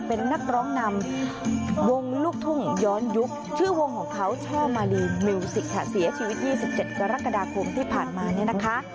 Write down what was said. เป็นนักร้องนำวงลูกทุ่งย้อนยุคชื่อวงของเขาช่อมาลีมิวสิกค่ะเสียชีวิต๒๗กรกฎาคมที่ผ่านมาเนี่ยนะคะ